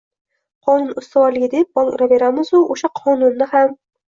Qonun ustuvorligi deb bong uraveramizu o‘sha qonunni ham